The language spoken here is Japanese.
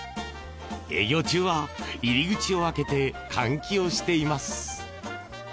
営業中は入り口を開けて換気をしています。